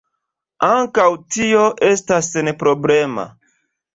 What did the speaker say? Ankaŭ tio estas senproblema.